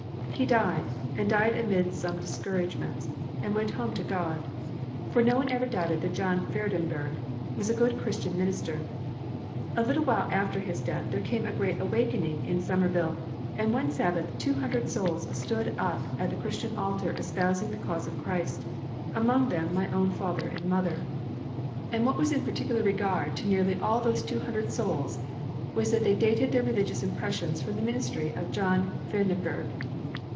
He died, and died amid some discouragements, and went home to God; for no one ever doubted that John Vredenburgh was a good Christian minister. A little while after his death there came a great awakening in Somerville, and one Sabbath two hundred souls stood up at the Christian altar espousing the cause of Christ, among them my own father and mother. And what was peculiar in regard to nearly all of those two hundred souls was that they dated their religious impressions from the ministry of John Vredenburgh.